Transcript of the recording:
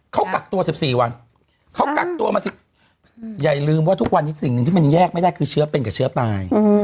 เขากักตัว๑๔วันเขากักตัวมาอย่าลืมว่าทุกวันนี้สิ่งหนึ่งที่มันแยกไม่ได้คือเชื้อเป็นกับเชื้อตาย